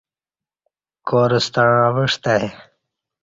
کار ستݩع اوعستہ آئی